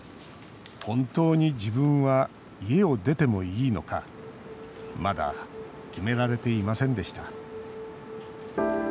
本当に自分は家を出てもいいのかまだ決められていませんでした。